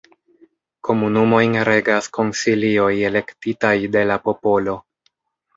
Komunumojn regas konsilioj elektitaj de la popolo.